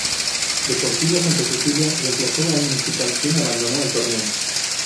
Deportivo Santa Cecilia remplazó al Municipal, quien abandonó el torneo.